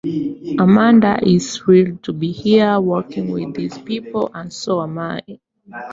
Amanda is thrilled to be here working with these people, and so am I.